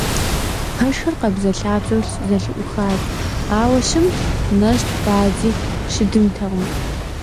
Пэшхэр къабзэлъабзэу зэлъыӀухат, ауэ щымт, нэщӀт, бадзи щыдымтэкъым.